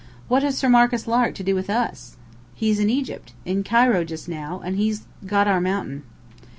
"What has Sir Marcus Lark to do with us?" "He's in Egypt in Cairo just now; and he's got our mountain."